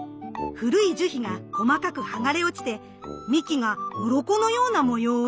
古い樹皮が細かくはがれ落ちて幹がうろこのような模様をしています。